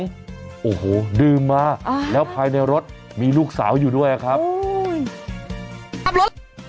แต่เรื่องสำคัญที่สุดคือทุกคนยังต้องช่วยกันรักษาความปลอดภัยทางสาธารณสุขต่อไป